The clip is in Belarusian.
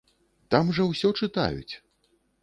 Там жа ўсё чытаюць!